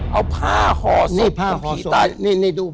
เอาผ้าห่อสด